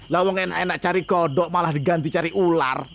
lawang enak enak cari kodok malah diganti cari ular